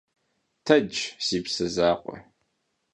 Тэдж, си псэ закъуэ.